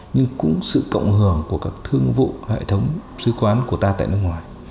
nhưng cũng sự cộng hưởng của các thương vụ hệ thống sứ quán của ta tại nước ngoài